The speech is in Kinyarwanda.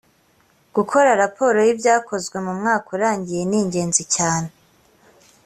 gukora raporo y ‘ibyakozwe mu mwaka urangiye ningenzi cyane.